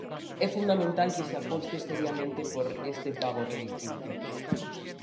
É fundamental que se aposte seriamente por este pago redistributivo.